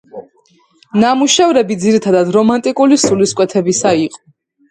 ნამუშევრები ძირითადად რომანტიკული სულისკვეთებისა იყო.